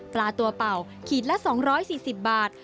ตัวเป่าขีดละ๒๔๐บาท